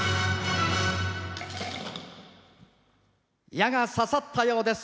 矢が刺さったようです。